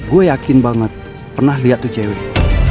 gue yakin banget pernah lihat tuh cewek